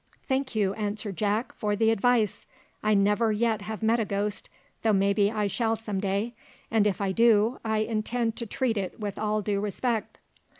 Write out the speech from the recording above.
"Thank you," answered Jack, "for the advice. I never yet have met a ghost, though maybe I shall some day, and if I do I intend to treat it with all due respect."